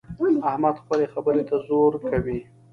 احمد خپلې خبرې ته زور کوي.